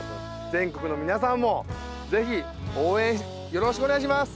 全国の皆さんも、ぜひ応援よろしくお願いします。